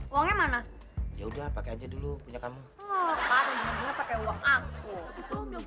uangnya mana ya udah pakai aja dulu punya kamu pakai uang aku